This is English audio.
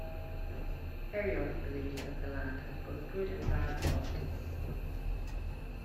Herjolf believed that the land had both good and bad qualities.